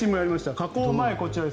加工前、こちらです。